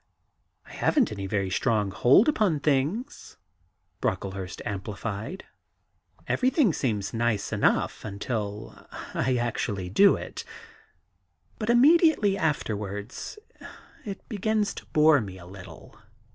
* I haven't any very strong hold upon things,' Brocklehurst amplified. * Ever5rthing seems nice enough until I actually do it ; but immediately after wards it begins to bore me a little.